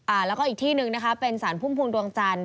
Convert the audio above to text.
แล้วก็อีกที่หนึ่งนะคะเป็นสารพุ่มพวงดวงจันทร์